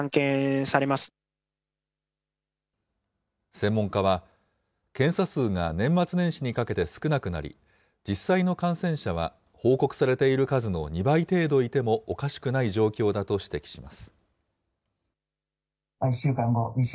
専門家は、検査数が年末年始にかけて少なくなり、実際の感染者は報告されている数の２倍程度いてもおかしくない状況だと指摘します。